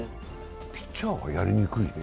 ピッチャーはやりにくいね。